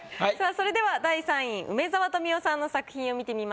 それでは第３位梅沢富美男さんの作品を見てみましょう。